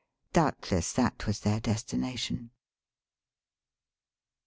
Doubtless that was their destination.